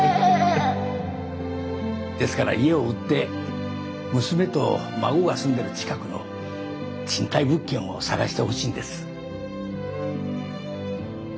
ですから家を売って娘と孫が住んでる近くの賃貸物件を探してほしいんです。